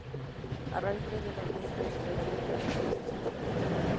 A raíz de ellos los visitantes debieron esperar la finalización del evento.